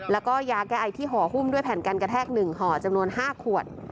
แล้วก็ยาแก้ไอที่ห่อหุ้มด้วยแผ่นการกระแทก๑ห่อจำนวน๕ขวด